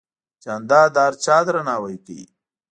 جانداد د هر چا درناوی کوي.